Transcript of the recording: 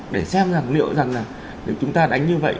để xem rằng liệu rằng là chúng ta đánh như vậy